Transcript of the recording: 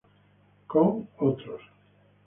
Con otros